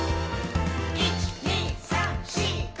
「１．２．３．４．５．」